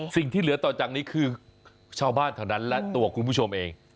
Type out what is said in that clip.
สิ่งที่เหลือต่อจากนี้คือชาวบ้านแถวนั้นและตัวคุณผู้ชมเอง